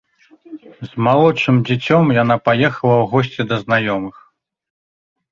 З малодшым дзіцём яна паехала ў госці да знаёмых.